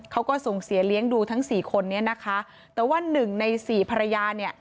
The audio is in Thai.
เขาก็ส่งเสียเลี้ยงดูทั้งสี่คนนี้นะคะแต่ว่าหนึ่งในสี่ภรรยาเนี่ย